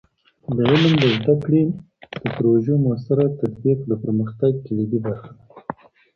د علم د زده کړې د پروژو موثره تطبیق د پرمختګ کلیدي برخه ده.